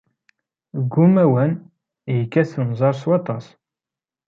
Deg umwan, yekkat unẓar s waṭas.